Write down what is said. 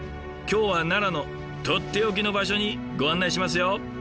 今日は奈良のとっておきの場所にご案内しますよ！